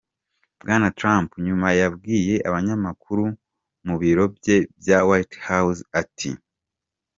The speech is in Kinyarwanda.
Bwana Trump nyuma yabwiye abanyamakuru mu biro bye bya White House ati:.